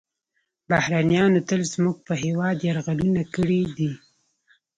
بهرنیانو تل زموږ په هیواد یرغلونه کړي دي